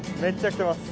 来てます？